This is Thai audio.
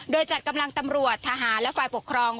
โดยจัดกำลังตำรวจทหารและฝ่ายปกครอง